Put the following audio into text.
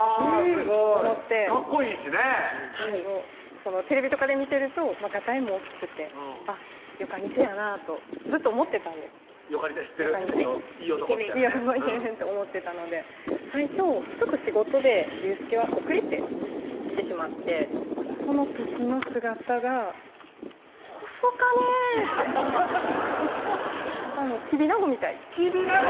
すごいかっこいいしねはいテレビとかで見てるとがたいも大きくてよかにせやなぁとずっと思ってたんですよかにせ知ってるいい男みたいなねイケメンって思ってたので最初ちょっと仕事で佑輔は遅れて来てしまってその時の姿が細かねってアハハハッきびなごみたいきびなご！